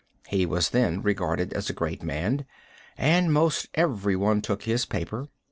He was then regarded as a great man, and most everyone took his paper.